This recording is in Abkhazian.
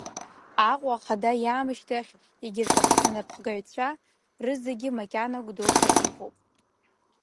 Аҟәа ахада иаамышьҭахь, егьырҭ Аԥсны анапхгаҩцәа рызегьы макьана Гәдоуҭа иҟоуп.